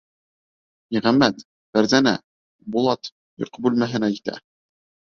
Ниғәмәт, Фәрзәнә, Булат йоҡо бүлмәһенә китә.